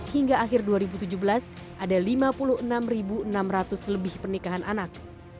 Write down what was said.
hingga akhir dua ribu tujuh belas ada lima puluh enam enam ratus lebih pernikahan anak